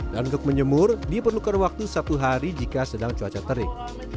dan untuk menjemur diperlukan waktu satu hari jika sedang cuaca terik